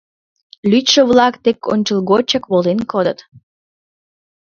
Лӱдшӧ-влак тек ончылгочак волен кодыт.